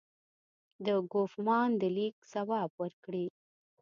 د کوفمان د لیک ځواب ورکړي.